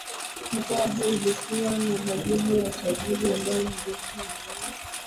mkoa huu ulikuwa na majimbo ya uchaguzi ambayo ni Geita Mjini